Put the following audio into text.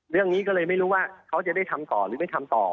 เรื่องนี้ก็เลยไม่รู้ว่าเขาจะได้ทำต่อหรือไม่ทำต่อ